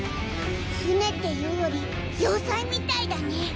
船っていうより要塞みたいだね。